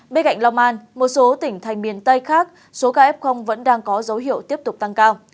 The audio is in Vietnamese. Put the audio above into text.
bên cạnh long an một số tỉnh thành miền tây khác số caf vẫn đang có dấu hiệu tiếp tục tăng cao